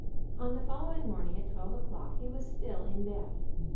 On the following morning at twelve o'clock he was still in bed.